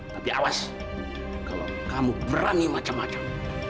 tapi awas kalau kamu berani macam macam